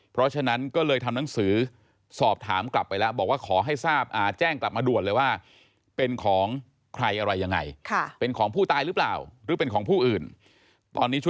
เพราะฉะนั้นก็เลยทำหนังสือสอบถามกลับไปแล้ว